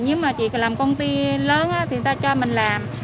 nhưng mà chị làm công ty lớn thì người ta cho mình làm